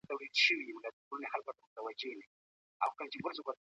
ټولنپوهنه د خلکو نظریاتو ته نوې رڼا ورکوي.